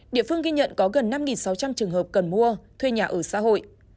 địa phương ghi nhận có gần năm sáu trăm linh trường hợp cần mua thuê nhà ở xã hội